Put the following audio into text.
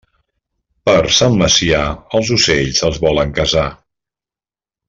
Per Sant Macià, els ocells es volen casar.